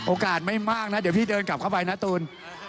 โอกาสไม่มากนะเดี๋ยวพี่เดินกลับเข้าไปนะตูน